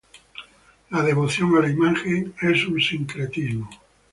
La devoción a la imagen es un sincretismo.